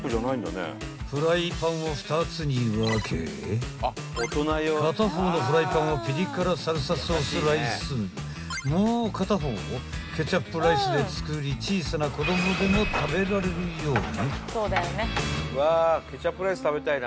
［フライパンを２つに分け片方のフライパンをピリ辛サルサソースライスもう片方をケチャップライスで作り小さな子供でも食べられるように］